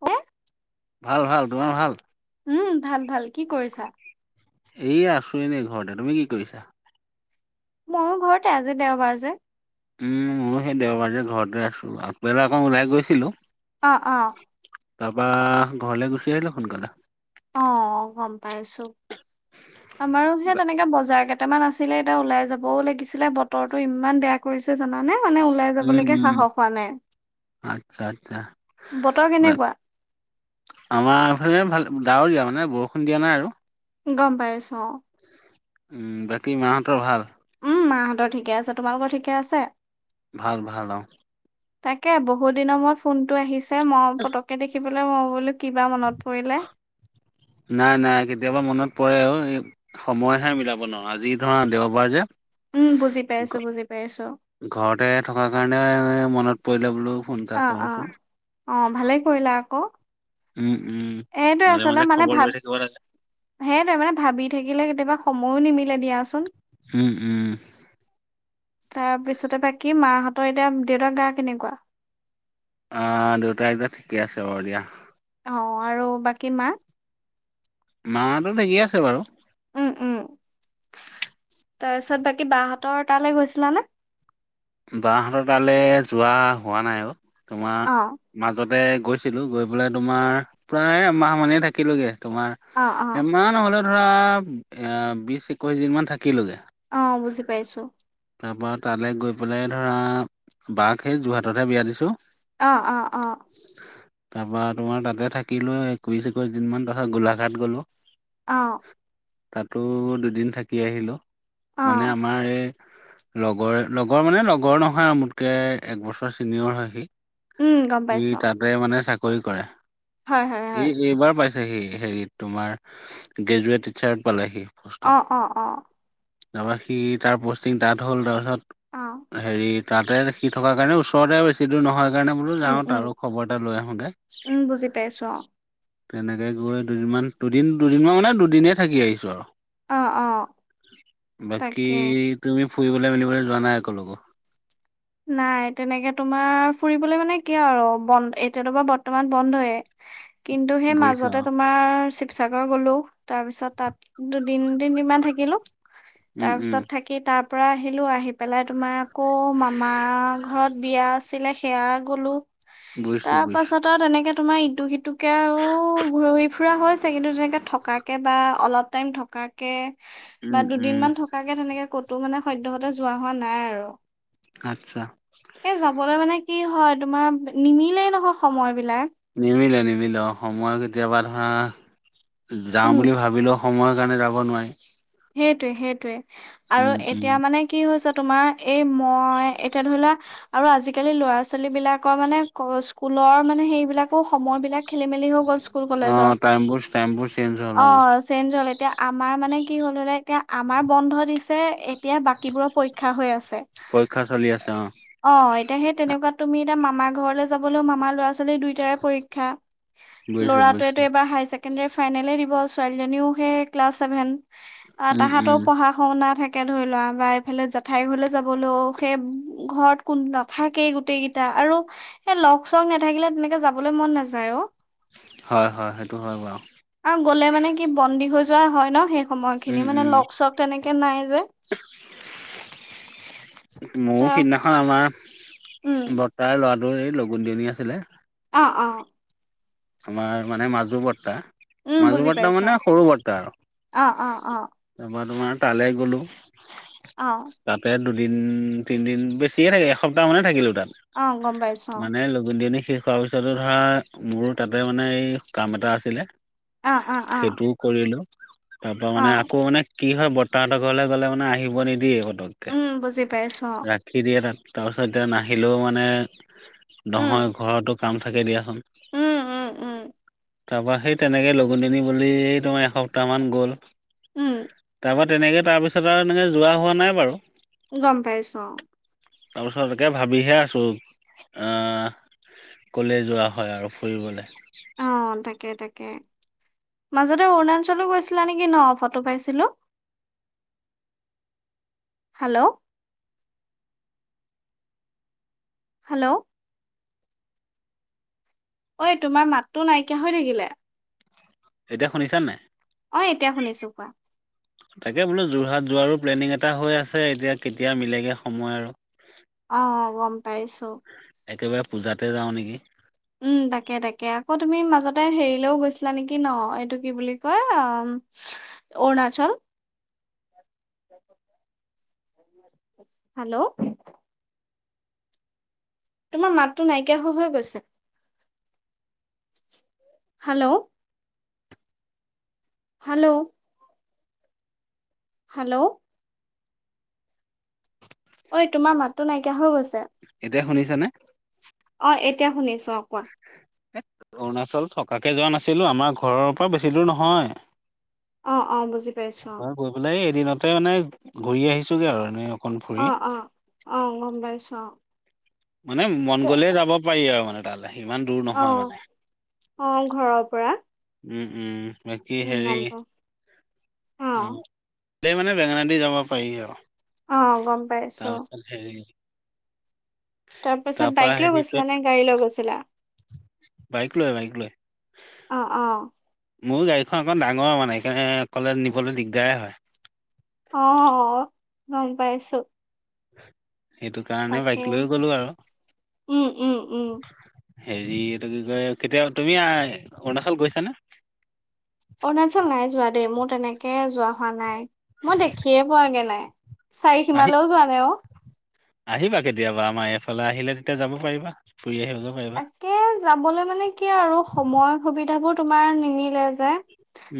হ [unintelligible] ভাল ভাল। তোমাৰ ভাল? উম ভাল ভাল কি কৰিছা। এই আছো এনেই ঘৰতে। তুমি কি কৰিছা? ময়ো ঘৰতে, আজি দেওবাৰ যে। উম ময়ো সেই দেওবাৰে যে ঘৰতে আছো, আগবেলা অকণ ওলাই গৈছিলো। অ', অ'। তাৰপাৰা ঘৰলে গুচি আহিলো সোনকালে। অ গম পাইছো আমাৰো যে বা- তেনেকে বজাৰ কেইটা কেইটামান আছিলে এতিয়া ওলাই যাবও লাগিছিলে বতৰটো ইমান বেয়া কৰিছে, জানানে। মানে ওলাই উম যাবলৈকে উম সাহস হোৱা নাই আচ্ছা আচ্ছা বতৰ কেনেকুৱা আমাৰ ফালে ভাল ডাৱৰীয়া মানে বৰষুণ দিয়া নাই আৰু। গম পাইছো অ'। উম বাকী মাহঁতৰ ভাল? উম মাহঁতৰ ঠিকে আছে। তোমালোকৰ ঠিকে আছে। ভাল ভাল অ। তাকে বহুত দিনৰ মূৰত ফোনটো আহিছে। মই পতককে দেখিবলৈ মই বোলো কিবা মনত পৰিলে। নাই নাই কেতিয়াবা মনত পৰে আৰু এই সময়হে মিলাব নোৱাৰো, আজি ধৰা দেওবাৰ যে। উম বুজি পাইছো বুজি পাইছো ঘৰতে থকাৰ কাৰণে মনত পৰিলে বোলো। ফোন এটা অ', কৰোচোন অ', অ ভালেই কৰিলা আকৌ উম মাজে মাজে খবৰ লৈ থাকিব লাগিছিল। সেই তে মানে ভাবি থাকিলে কেতিয়াবা সময়ো নিমিলে দিয়াচোন। উম-উম। তাৰপিছতে বাকী মাহঁতৰ এতিয়া দেউতাক গা কেনেকুৱা? অ' দেউটাই যে ঠিকে আছে বাৰু দিয়া। অ আৰু বাকী মা মাতো থিকেইে আছে বাৰু, উম, উম। তাৰপিছত বাকী বাহতৰ তালৈ গৈছিলানে। বাহ হতৰ তালে যোৱা হোৱা নাই আৰু তোমাৰ অ', মাজত ত গৈছিলো গৈ পেলাই তোমাৰ প্ৰায় এমাহ মানেই থাকিলোগে তোমাৰ অ', অ', এমাহ নহলেও ধৰা এ বিশ একৈশ দিন মমান থাকি। অ বুজি পাইছো তাৰপৰা তালৈ গৈ পেলাই ধৰা বাক সেই যোৰহাটতহে বিয়া দিছোঁ। অ', অ', অ। তাৰপৰা তোমাৰ তাতে থাকিলো একৈশ একৈশ দিন ম তাৰাছত গোলাঘাট গলো অ তাতো দুদিন থাকি আহিলো মানে অ', আমাৰ এই লগৰে লগ লগৰ মানে লগৰ নহয় আৰু মোতকৈ একবছৰ ছিনিয়ৰ হয় সি উম, গম ইি পাইছো অ'। তাতে মানে চাকৰি কৰে হয়, হয়, ই হয়। এইবাৰ পাইছে সি হেৰিত তোমাৰ গ্ৰেজুৱেট টিচাৰ পালেহি। অ অ অ তাৰপৰা সি তাৰ পষ্টিং ডাঠ হ'ল অ', তাৰপিছত হেৰিত তাতে সি থকাৰ কাৰণে ওচৰতে বেছি দূৰ নহয় সেইকাৰণে বোলো উম, যাওঁত উম, আৰু খবৰ এটা লৈ আহো দে উম, বুজি পাইছো অ'। তেনেকৈ গৈ দুদিনমান দুদিন দুদিনমান মানে দুদিনেই থাকি আহিছোঁ আৰু অ', অ', বাকি তাকে। তুমি ফুৰিবলৈ মেলিবলৈ যোৱা নাই একেলো নাই তেনেকে তোমাৰ ফুৰিবলে মানে কিয় আৰু বন্ধ এতিয়াতো বা বৰ্তমান বন্ধয়ে কিন্তু সেই বুজিছা মাজতে তোমাৰ শিসাগৰ গলো তাৰ পিছত তাত দুদিন তিনদিনমান থাকিলো। উম তাৰ উম পিছত থাকি তাৰ পৰা আহিলো আহি পেলাই তোমাৰ আকৌ মা। আমাৰ ঘৰত বিয়া আছিলে সেয়া গলো বুজিছো তাৰ বুজিছো পাছত আৰু তেনেকে তোম ইটোু সিটোুে ফুৰা হৈছে কিন্তু তেনেকৈ থকাকৈ বা অলপ টাইম থকাকৈ উম বা দুদিন উম মান থকাকে তেনেকে ক'ত টো মানে সদ্য়হতে যোৱা হোৱা নাই আৰু আচ্ছা এ যাবলৈ মানে কি হয়। তোমাৰ নিমিলেই নহয় সময় বিলাক। নিমিলে নিমিলে সময় কেতিয়াবা ধৰা যাওঁ উম বুলি ভাবিলো। সময়ৰ কাৰণে যাব নোৱাৰি। সেইটোৱে সেইটোৱে উম, আৰু উম, এতিয়া মানে কি হৈছে তোমাৰ। এ মই এতিয়া ধৰি লোৱা আৰু আজিকালি ল'ৰা ছোৱালী বিলাকৰ মানে স্কুলৰ মানে। সেইবিলাকো সময় বিলাক খেলি মেলি গ'ল স্কুল কলেজৰ অ', টাইমবোৰ টাইমবোৰ চেঞ্জ হ'ল অ চেঞ্জ হ'ল এতিয়া। আমাৰ মানে কি হ'ল হলে এতি আমাৰ বন্ধ দিছে এতিয়া বাকীবোৰৰ পৰীক্ষা হৈ আছে। পৰীক্ষা চলি আছে অ এতিয়া সেই তেনেকুৱা তুমি এতিয়া মামাৰ ঘৰলৈ যাবলৈও মামাৰ ল'ৰা ছোৱালী। লৰা-ছোৱালী দুইটাৰে পৰীক্ষা বুজিছোঁ লৰাটোৱেটো বুজিছোঁ। এইবাৰ হাই ছেকেণ্ডাৰী প দিব। ছোৱালী জনীয়েও সেই ক্লাছ চেভেন আৰু উম, তাহতৰো উম, পঢ়াশুনা থাকে। তে ধৰি লোৱা বা এইফালে জেঠাইৰ ঘৰলৈ যাবলৈও সেই ঘৰত কোন নাথাকেই গোটেই কেইটা আৰু সেই লগ চগ নাথাকিলে তেনেকে যাবলৈ মন নাযায় অ। হয়, হয়, সেইটো হয় বাৰু। আৰু গ'লে মানে কি বন্দী হৈছে যোৱা হয় ন সেই সময় উম, খিনি মানে উম, লগ চ তেনেকে নাই যে, ত মও সিদিনাখন আমাৰ উম বৰ্তাৰ ল'ৰাটোৰ এই লগুন দিওনি আছিলে। অ', অ। আমাৰ মানে মাজু বৰ্তা উম মাজু বুজি বাৰ্তা পাইছো মানে সৰু বাৰ্তা আৰু অ অ অ তাৰ পৰা তোমাৰ তালৈ গলো, অ তাতে দুদিন তিনিদিন বেছিয়ে থাকে এসপ্তাহমানে থাকিলোঁ তাত অ গম পাইছোঁ। মানে লগুন দিয়নি শেষ হোৱাৰ পিছতো ধৰা মোৰো তাতে মানে এই কাম এটা আছিলে। অ অ অ সেইটোও কৰিলোঁ। তাৰ পৰা অ মানে আকৌ মানে কি হয় বৰ্তাহঁতৰ ঘৰলৈ গ'লে মানে আহিব নিদিয়ে উম বুজি পাইছো অ ৰাখীৰ দিয়ে তাত তাৰপিছত এতিয়া নাহিলেও মানে উম নহয় ঘৰতো কাম থাকে দিয়াচোন। উম, উম, উম। তাৰপৰা সেই তেনেকে লগুণদিনী বুলি তোমাৰ এসপ্তাহমান গ'ল। উম। তেনেকৈ তাৰপিছত আৰু এনেকৈ যোৱা হোৱা নাই বাৰু। গম পাইছো অ। [unintelligible] ভাবিহে আছোঁ। ক'লে যোৱা হয় আৰু ফুৰিবলৈ অ তাকে, তাকে মাজতে অৰুণাচলো গৈছিলা নেকি ন ফটো পাইছিলো। স [inaudible] হেল্ল' হেল্ল' ঐ তোমাৰ মাতটো নাইকিয়া হৈ থাকিলে। এতিয়া শুনিছা নাই। অ এতিয়া শুনিছো কোৱা। তাকে বোলো যোৰহাট যোৱাৰো প্লেনিং এটা হৈ আছে এতিয়া কেতিয়া মিলেগে সময় আৰু। অ গম পাইছোঁ। একেবাৰে পূজাতে যাওঁ নেকি। উম তাকে তাকে আকৌ তুমি মাজতে হেৰিলেও গৈছিলা নেকি ন এইটো কি বুলি কয়। অৰুণাচল [unintelligible] হেল্ল' তোমাৰ মাতটো নাইকিয়া হৈ হৈ গৈছে। হেল্ল' হেল্ল' হেল্ল' ঐ তোমাৰ মাততটো নাইকিয়া হৈ গৈছে। এতিয়া শুনিছ নে। অ এতিয়া শুনিছো অ কোৱা অৰুণাচল থকাকে যোৱা নাছিলোঁ। আমাৰ ঘৰৰ পৰা বেছি দূৰ নহয়। অ অ বুজি পাইছো গৈ পেলাই এদিনতে মানে ঘূৰি আহিছোগে আৰু এনে অ', অ', অ', অ গম পাইছোঁ। মানে মন গ'লে যাব পাৰি আৰু মানে তালৈ ইমান দূৰ অ নহয় মানে। অ ঘৰৰ পৰা উম উম বাকি উম, হেৰি গম পাওঁ। উম অ', এ মানে বেঙেনাদি যাব পাৰি আৰু অ গম পাইছোঁ। তাৰপিছত হেৰি তাৰ পাছত পৰা বাইক লৈ হেৰি গৈছিলা নে গাড়ী লৈ গৈছিলা? বাইক লৈ বাইক লৈ। অ', অ। মোৰো গাড়ীখন অকণ ডাঙৰ মানে। সেইকাৰণে অকলে নিবলৈ দিগদাৰ হয়। অ', অ গম পাইছোঁ। সেইটো কাৰণে বাইক লৈ গলো আৰু উম, উম, উম, হেৰি এইটো কি কয় কেতিয়া তুমি অৰুণাচল গৈছানে। অৰুণাচল নাই যোৱা দেই মোৰ তেনেকে যোৱা হোৱা নাই মই দেখিয়ে পোৱাগে নাই। চাৰি আহি সিমালৈও যোৱা নাই অ আহিবা কেতিয়াবা আমাৰ এইফালে আহিলে তেতিয়া যাব পাৰিবা। ফুৰি আহিব পাৰিবা। তাকে যাবলৈ মানে কি আৰু সময় সুবিধাবোৰ তোমাৰ নিমিলে যে।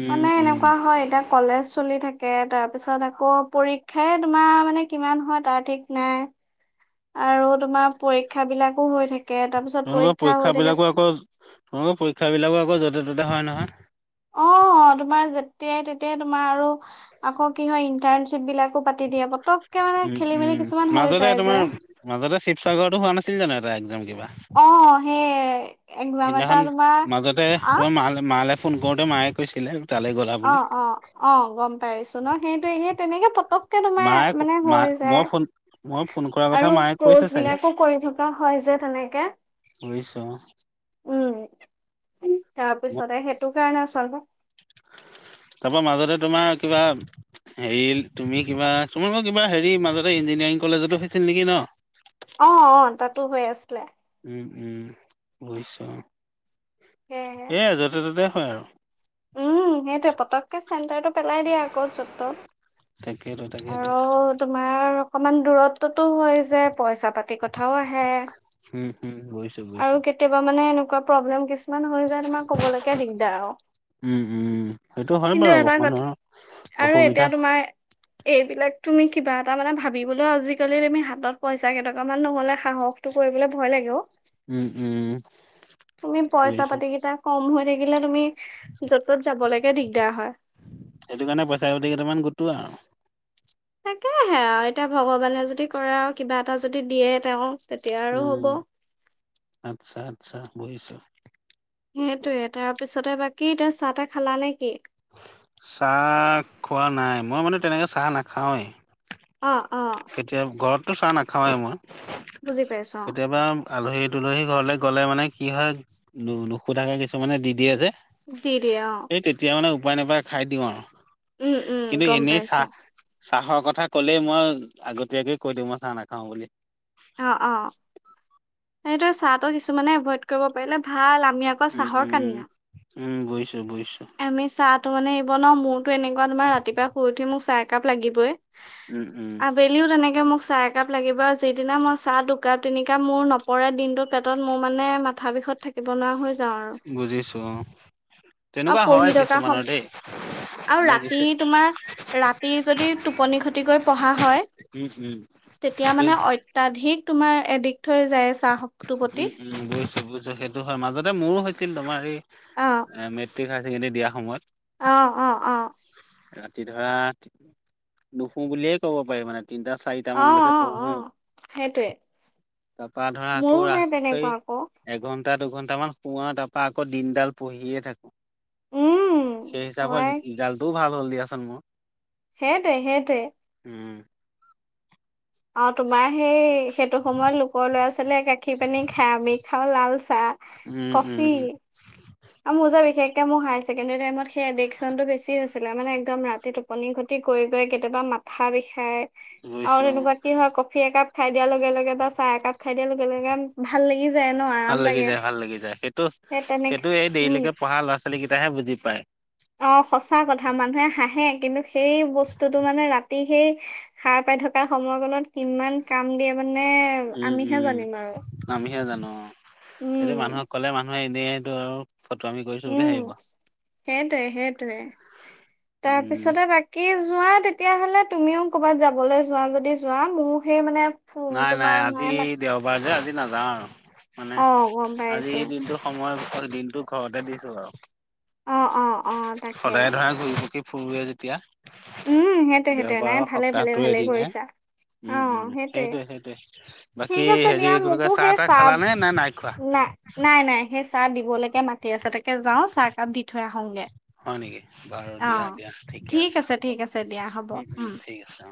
উম উম এনেকুৱা হয় এ তাক কলেজ চলি থাকে তাৰ পিছত আকৌ পৰীক্ষাই তোমাৰ মানে কিমান হয় তাৰ ঠিক নাই আৰু তোমাৰ পৰীক্ষা বিলাকো হৈ থাকে তাৰপিছত তেওঁলোকৰ পৰীক্ষা পৰীক্ষ হৈ থাকে বিলাকো আকৌ তেওঁলোকৰ পৰীক্ষা বিলাকো আকৌ য'তে ত'তে হয় নহয়। [unintelligible] অ তোমাৰ যেতিয়াই তেতিয়াই তোমাৰ আৰু আকৌ কি হয় ইন্টাৰণশ্বিপ বিলাকো পাতি দিয়া প উম উম মাজতে তোমাৰ যে মাজতে শিৱসাগৰতৰতো হোৱা নাছিল জানো এটা একজাম কিবা অ সেইয় সেইদিনাখন মাজতে তোমাৰ মা মালে ফোন কৰোতে মায়ে কৈছিলে আৰু [unintelligible] আৰু ক'জ বিলাকো মায়ে ক- মা মই কৰি ফোন মই ফোন থকা কৰাৰ কথা মায়ে কৈছে হয় চাগে যে তেনেকে কৰিছোঁ। উম তাৰ অ পিছতে সেইটো কাৰণে আচল তাতে, তোমাৰ কিবা হেৰি তুমি কিবা তোমালোকৰ কিবা হেৰি মাজতে ইঞ্জিনিয়াৰিং কলেজতো ফেছিল হৈছিল নেকি ন অ', অ তাতো হৈ আছিলে। উম উম বুজিছো সেয়েহে এ যতে ততে হয় উম সেইটোৱে পতককে চেণ্টাৰটো পেলাই দিয়া আকৌ য'ত ত তাকে তাকেটো। অকণমান দূৰত হয় যে পইচা পাতি কথাও আহে বুজিছো আৰু বুজিছো। কেতিয়াবা মানে প্ৰব্লেম কিছুমান হৈ যায় তোমাৰ কবলৈকে দিগদাৰ আৰু উম, উম, সেইটো হয় কিন্তু বাৰু এটা কথা মানুহৰ আৰু অসুবিধা এতিয়া তোমাৰ এইবিলাক তুমি কিবা এটা মানে ভাবিবলৈও আজিকালি তুমি হাতত পইচা কেইটককা মান নহ'লে সাহস হেতু কৰিব ভয় লাগে। উম, উম। তুমি পইচা বুজিছো পাতি কেইটা থাকিলে তুমি য'ত ত'ত যাবলৈকে দিগদাৰ হয়। সেইটো কাৰণে পইচা কেইটামান গুটোৱা আৰু তাকেহে আৰু এতিয়া ভগৱানে যদি কৰে আৰু কিবা এটা যদি দিয়ে তেওঁ তেতিয়া আৰু উম। হ'ব। আচ্ছা আচ্ছা ভৱিষ্যত সেইটোয়ে তাৰ পিছতে বাকী এতিয়া চাহ তাহ খালা নেকি? চাহ খোৱা নাই মই মানে তেনেকৈ চাহ নাখাওঁৱেই। অ অ কেতিয়া ঘৰতটো চাহ নাখাও মই বুজি পাইছো অ কেতিয়াবা আলহী দূলহী ঘৰলৈ গ'লে মানে কি হয় দু দুশো মানে কিছুমানে দি দিয়ে যে এই তেতিয়া [unintelligible] মানে উপায় নাপায় খাই দিওঁ অ উম উম কিন্তু গম এনেই পাইছো চাহ চাহৰ কথা ক'লেই মই আগতীয়াকে কৈ দিওঁ মই চাহ নাখাওঁ বুলি। অ', অ সেইটোয়ে চাহটো কিছুমানে এভোইড কৰিব পাৰিলে ভাল আমি আকৌ উম, চাহৰ উম, কানিয়া উম, বুজিছোঁ বুজিছোঁ। আমি চাহ ত মানে এইব ন মোৰতো এনেকুৱা তোৰ ৰাতিপুৱা শুই উঠি মোক চাহ একাপ লাগিবই। উম, উম, আবেলিও তেনেকে মোক চাহ একাপ লাগিব আৰু যি সিদিনা মই চাহ দুকাপ তিনিকাপ মোৰ নপৰে দিনটোত পেটত মোৰ মানে মাথা বিষত থাকিব নোৱাৰা হৈ বুজিছো অ। অ তেনেকুৱা পঢ়ি হয় থকা কিছুমানৰ দেই সময় আৰু মানে ৰাতি কিছু তোমাৰ ৰাতি যদি টোপনি খতি কৰি পঢ়া হয় উম উম। তেতিয়া মানে অত্তয়াধিক তুমাৰ এডিক্ট হৈ যায় চাহ। উম উম বুজিছো বুজিছো। সেইটো হয় মাজতে মোৰো হৈছিল তোমাৰ এই। অ- ঠিক হাই চেকেণ্ডৰী দিয়া সময়ত। অ, অ, অ- ৰাতি ধৰা নুশুও বুলি এ ক'ব পাৰি মানে। তিনিটা চাৰিটা অ মানলৈকে অ অ পঢ়োঁ সেইটোৱে তাপা ধৰা ঔ মোৰো সেই ৰাক হাই তেনেকুৱা আকৌ একঘণ্টা দুঘন্টা মান শুও আৰু দিন দাল পঢ়িএ থাকো। উম সাই হিচাবত হয় ৰিজাল্টটোও ভাল হ'ল দিয়া চোন মোৰ। সেই টোৱে সেই টোৱে। উম। অ তোমাৰ সেই সেইটো সময়ত লোকৰ ল'ৰা ছোৱালীয়ে গাখীৰ পানী খাই আমি খাওঁ লাল চা উম, তা উম, কফী। উম আৰু মোৰ যে বিশেষকে হাইছেকেণ্ডাৰী টাইমৰ সেই এডিক্ষণ টো বেছি হৈছিল। লে মানে একদম ৰাতি টোপনি খতি কৰিলে কেতিয়াবা মাথা বিষাই। বুজিছো আৰু তেনেকুৱা কি হয় কফি একাপ খাই দিয়া লগে লগে - বা চাহ একাপ খাই দিয়া লগে লগে ভাল লাগি - ভাল লাগি যায়-ভাল লাগি যায় সেইটো- সেই তেনেকে সেইটো এই উম দেৰিলৈকে পঢ়া ল'ৰা ছোৱালী কেইটাহে বুজি পায়। অ সঁচা কথা মানুহে হাঁহে কিন্তু সেই বস্তুতটো মানে ৰাতি সেই সাৰ পাই। থকা সময় কনত কিমান কাম দিয়ে মান উম-উম আমিহে জানো আৰু এইটো উম মানুহক কলে মা নহয় এনেইটো আৰু ফটোআমি কৰিছো উম বুলি ভাবিব। সেইটোৱে সেইটোৱে উম, তাৰপিছতে বাকী জো। যোৱা তেতিয়া হ'লে তুমিও কৰ'ৰবাত যাবলৈ যোৱা যদি যোৱা মোৰ সেই মানে্ নাই নাই আজি দেওবাৰে যে আজি। নাযাওঁ আৰু মানে অ' গম আজি পাইছো দিনটো সময় দিনটো ঘৰতে দিছো আৰু। অ' অ' অ' তাকে সদায় ধৰা ঘূৰি ফুকি ফুুৰোঁৱে যেতিয়া। উম সেইটোৱে সেইটোয়ে নাই দেওবাৰৰ ভালে ভালে সপ্তাহটোৰ ভালে এদিনহে কৰিছা অ উম, উম, হে। সেইটোৱে সেইটোৱে বাকী ঠিক আছে হেৰি দিয়া। কি বুলি কয় মোকো চাহ সেই তাহ চাব খালানে নে নে নাই খোৱা? নাই নাই নাই সেই- চাহ দিবলৈকে মাতি আছে। তাকে যাওঁ চাহকাপ দি থৈ আহোগে। হয় নেকি। বাৰু অ' দিয়া দিয়া ঠিকে ঠিক আছে হ'ব ঠিক আছে দিয়া হ'ব উম উম ঠিক আছে অ।